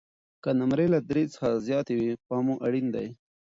که نمرې له درې څخه زیاتې وي، پام مو اړین دی.